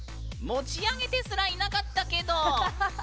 持ち上げてすらいなかったけど。